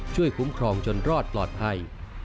คุ้มครองจนรอดปลอดภัย